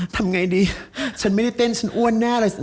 ทำไงดีฉันไม่ได้เต้นฉันอ้วนแน่อะไร